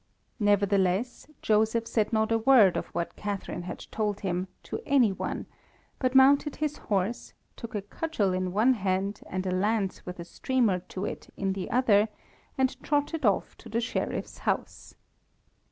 Nevertheless, Joseph said not a word of what Catharine had told him to any one, but mounted his horse, took a cudgel in one hand and a lance with a streamer to it in the other, and trotted off to the Sheriff's house.